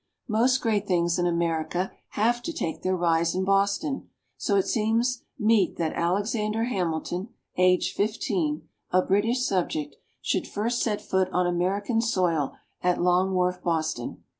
Most great things in America have to take their rise in Boston; so it seems meet that Alexander Hamilton, aged fifteen, a British subject, should first set foot on American soil at Long Wharf, Boston.